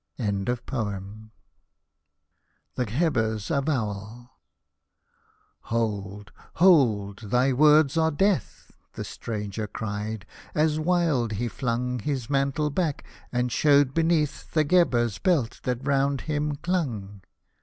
^THE GHEBER'S AVOWAL " Hold, hold — thy words are death —'■ The stranger cried, as wild he flung His mantle back, and showed beneath The Gheber belt that round him clung.